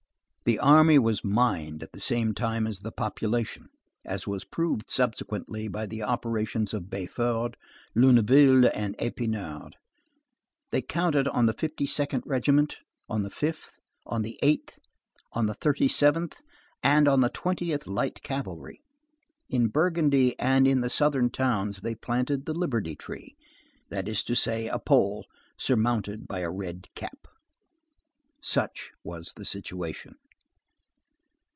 The army was mined at the same time as the population, as was proved subsequently by the operations of Béford, Luneville, and Épinard. They counted on the fifty second regiment, on the fifth, on the eighth, on the thirty seventh, and on the twentieth light cavalry. In Burgundy and in the southern towns they planted the liberty tree; that is to say, a pole surmounted by a red cap. Such was the situation.